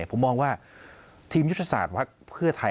ผมมองว่าทีมยุทธศาสตร์พักเพื่อไทย